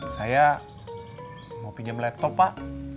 saya mau pinjam laptop pak